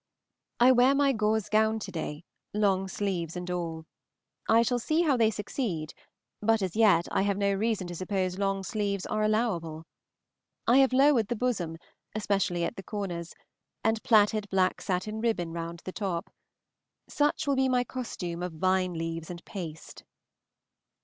I wear my gauze gown to day, long sleeves and all. I shall see how they succeed, but as yet I have no reason to suppose long sleeves are allowable. I have lowered the bosom, especially at the corners, and plaited black satin ribbon round the top. Such will be my costume of vine leaves and paste.